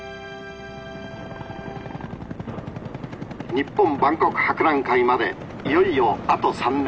「日本万国博覧会までいよいよあと３年。